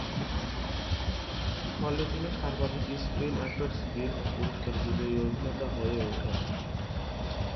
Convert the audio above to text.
ফলে তিনি সর্বাধিক স্ক্রিন অ্যাক্টরস গিল্ড পুরস্কার বিজয়ী অভিনেতা হয়ে ওঠেন।